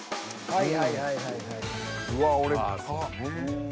はい。